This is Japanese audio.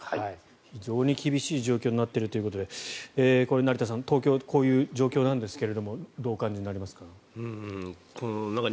非常に厳しい状況になっているということで成田さん、東京はこういう状況なんですがどうお感じになりますか？